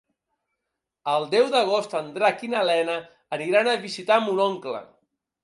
El deu d'agost en Drac i na Lena aniran a visitar mon oncle.